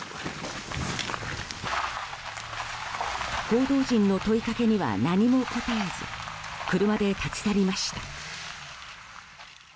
報道陣の問いかけには何も答えず車で立ち去りました。